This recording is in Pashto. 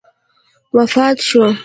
وفات شو.